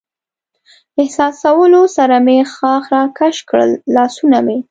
احساسولو سره مې ښاخ را کش کړل، لاسونه مې.